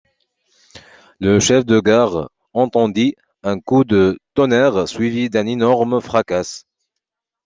Le chef de gare entendit un coup de tonnerre suivi d'un énorme fracas.